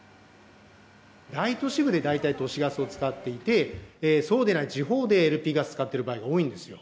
大都市部で大体都市ガスを使っていて、そうでない地方でＬＰガス使ってる場合が多いんですよ。